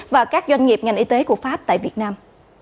và các doanh nghiệp ngành y tế của pháp tại việt nam